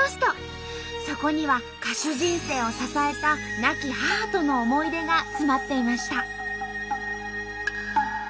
そこには歌手人生を支えた亡き母との思い出が詰まっていました。